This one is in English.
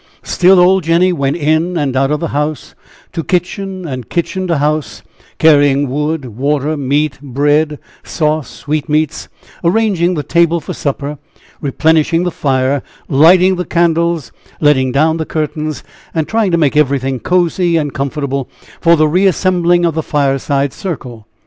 Still old Jenny went in and out of the house to kitchen and kitchen to house, carrying wood, water, meat, bread, sauce, sweetmeats, arranging the table for supper, replenishing the fire, lighting the candles, letting down the curtains and trying to make everything cozy and comfortable for the reassembling of the fireside circle.